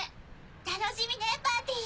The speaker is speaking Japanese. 楽しみねパーティー。